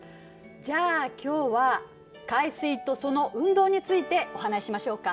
じゃあ今日は「海水とその運動」についてお話ししましょうか。